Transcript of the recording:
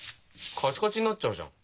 カチカチになっちゃうじゃん。